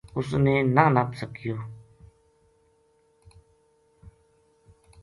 اس نے نہ نپ سکیو